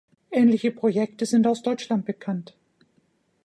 Ähnliche Projekte sind aus Deutschland bekannt.